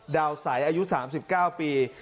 ดาวใสอายุ๓๙ปี